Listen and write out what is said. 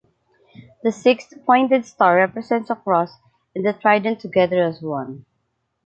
The six-pointed star represents a cross and the trident together as one.